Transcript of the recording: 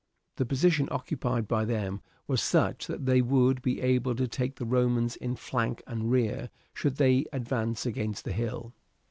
The position occupied by them was such that they would be able to take the Romans in flank and rear should they advance against the hill.